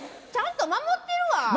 ちゃんと守ってるわ！